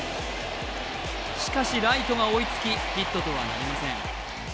しかしライトが追いつきヒットとはなりません。